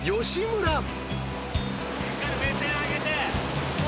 ・しっかり目線上げて。